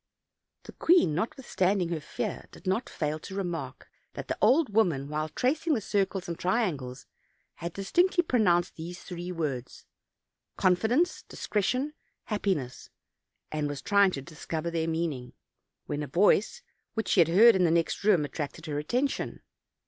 The queen, notwithstanding her OLD, OLD FAIRY TALES. 249 fear, did not fail to remark that the old woman, while tracing the circles and triangles, had distinctly pro nounced these three words, "confidence, discretion, happiness;" and was trying to discover their meaning, when a voice which she heard in the next room attracted her attention.